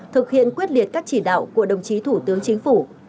thực hiện quyết liệt các chỉ đạo của đồng chí thủ tướng chính phủ